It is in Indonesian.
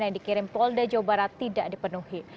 yang dikirim polda jawa barat tidak dipenuhi